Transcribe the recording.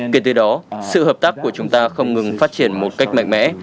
kể từ đó sự hợp tác của chúng ta không ngừng phát triển một cách mạnh mẽ